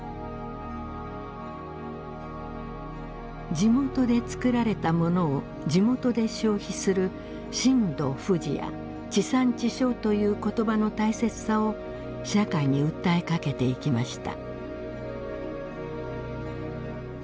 地元で作られた物を地元で消費する身土不二や地産地消という言葉の大切さを社会に訴えかけていきました。